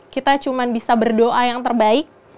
kita cuma bisa berdoa yang terbaik